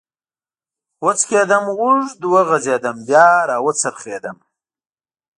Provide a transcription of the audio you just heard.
و څکېدم، اوږد وغځېدم، بیا را و څرخېدم.